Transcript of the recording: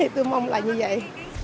thì tôi mong là như vậy